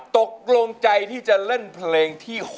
ตกลงใจที่จะเล่นเพลงที่๖